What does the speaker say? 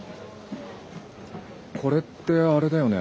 これってあれだよね？